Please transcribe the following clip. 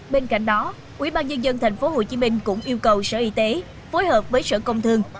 bên cạnh đó ubnd tp hcm cũng yêu cầu sở y tế phối hợp với sở công thương